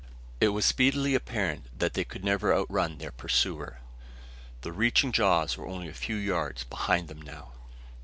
It was speedily apparent that they could never outrun their pursuer. The reaching jaws were only a few yards behind them now.